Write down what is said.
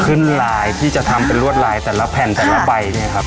ลายที่จะทำเป็นลวดลายแต่ละแผ่นแต่ละใบเนี่ยครับ